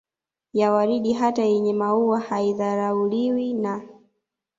ya waridi hata yenye maua haidharauliwi na